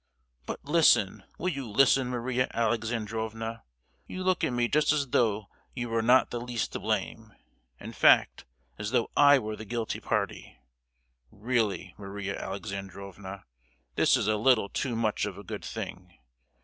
"But listen, will you listen, Maria Alexandrovna? You look at me just as though you were not the least to blame; in fact, as though I were the guilty party! Really, Maria Alexandrovna, this is a little too much of a good thing!